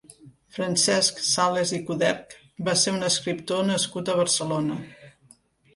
Francesc Sales i Coderch va ser un escriptor nascut a Barcelona.